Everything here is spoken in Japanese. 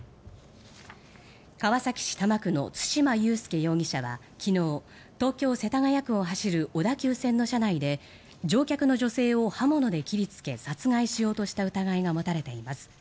川崎市多摩区の対馬悠介容疑者は昨日東京・世田谷区を走る小田急線の車内で乗客の女性を刃物で切りつけ殺害しようとした疑いが持たれています。